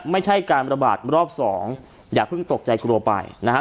ไม่ใช่การระบาดรอบสองอย่าเพิ่งตกใจกลัวไปนะครับ